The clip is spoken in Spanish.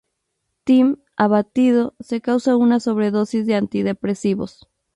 Tim, abatido, se causa una sobredosis de antidepresivos.